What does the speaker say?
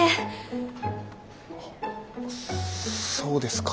あそうですか。